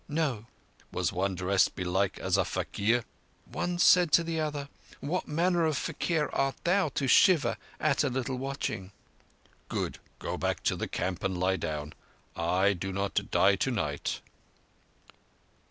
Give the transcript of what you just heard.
"No." "Was one dressed belike as a faquir?" "One said to the other, 'What manner of faquir art thou, to shiver at a little watching?'" "Good. Go back to the camp and lie down. I do not die tonight."